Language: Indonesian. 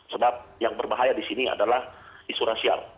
sebab yang berbahaya di sini adalah isu rasial